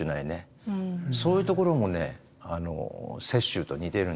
そういうところもね雪舟と似てるんですよ。